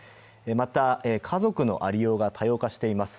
また家族のありようが多様化しています。